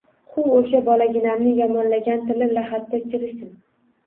Huv, o‘sha bolaginamni yomonlagan tili lahatda chirisin.